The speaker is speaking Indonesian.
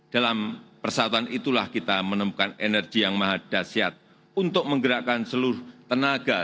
dalam persatuan itulah kita menemukan energi yang maha dasyat untuk menggerakkan seluruh tenaga